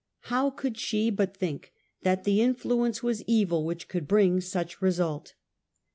How could she but think that the influence was evil which could bring such result?